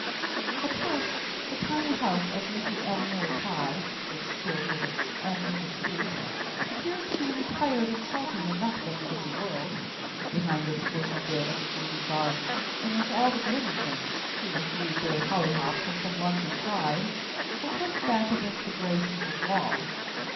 At first the tiny house of Mrs. Almira Todd, which stood with its end to the street, appeared to be retired and sheltered enough from the busy world, behind its bushy bit of a green garden, in which all the blooming things, two or three gay hollyhocks and some London pride, were pushed back against the gray shingled wall.